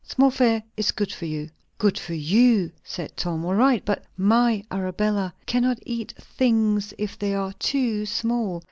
"Small fare is good for you!" "Good for you," said Tom, "all right; but my Arabella cannot eat things if they are too small.